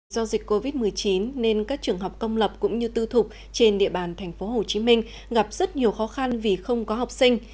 do dịch covid một mươi chín nên các trường học công lập cũng như tư thục trên địa bàn tp hcm gặp rất nhiều khó khăn vì không có học sinh